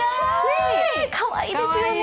かわいいですよね。